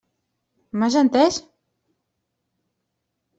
M'has entès?